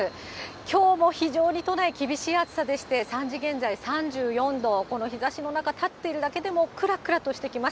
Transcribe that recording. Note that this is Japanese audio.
きょうも非常に都内、厳しい暑さでして、３時現在、３４度、この日ざしの中、立っているだけでもくらくらとしてきます。